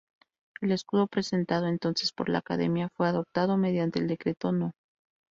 El escudo presentado entonces por la academia fue adoptado mediante el decreto No.